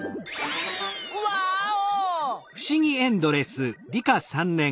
ワーオ！